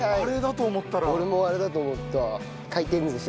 俺もあれだと思った。